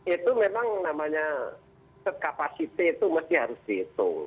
itu memang namanya kekapasitas itu harus dihitung